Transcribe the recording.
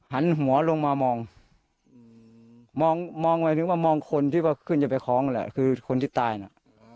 หันหัวลงมามองมองหมายถึงว่ามองคนที่ว่าขึ้นจะไปคล้องนั่นแหละคือคนที่ตายน่ะ